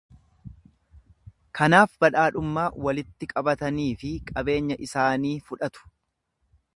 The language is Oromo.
Kanaaf badhaadhummaa walitti qabatanii fi qabeenya isaanii fudhatu.